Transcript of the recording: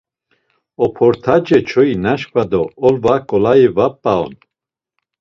Op̌ordace çoyi naşǩva do olva ǩolayi va p̌a on.